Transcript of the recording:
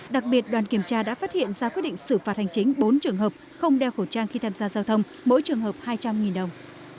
đặc biệt đoàn kiểm tra đã phát hiện ra quyết định xử phạt hành chính bốn trường hợp không đeo khẩu trang khi tham gia giao thông mỗi trường hợp hai trăm linh đồng